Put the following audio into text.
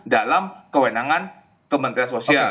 dalam kewenangan kementerian sosial